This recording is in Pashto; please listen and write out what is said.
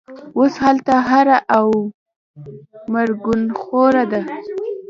اوس هلته هېره او مرګوخوره ده